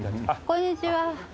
こんにちは。